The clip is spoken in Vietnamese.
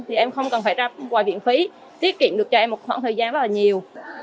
thì em không cần phải ra quà viện phí tiết kiệm được cho em một khoảng thời gian rất là nhiều